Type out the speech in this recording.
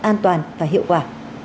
an toàn và hiệu quả